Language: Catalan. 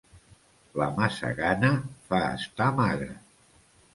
La massa gana fa estar magre.